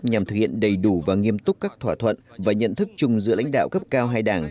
nhằm thực hiện đầy đủ và nghiêm túc các thỏa thuận và nhận thức chung giữa lãnh đạo cấp cao hai đảng